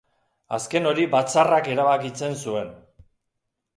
Azken hori batzarrak erabakitzen zuen.